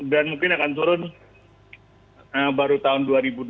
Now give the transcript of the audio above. dan mungkin akan turun baru tahun dua ribu dua puluh dua